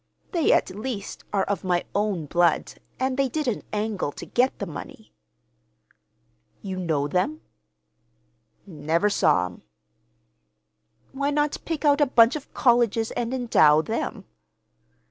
They, at least, are of my own blood, and they didn't angle to get the money." "You know them?" "Never saw 'em." "Why not pick out a bunch of colleges and endow them?"